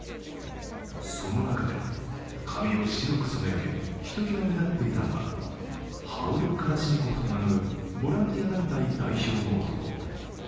その中で髪を白く染め上げひときわ目立っていたのがハウル・カラシニコフと名乗るボランティア団体代表の男。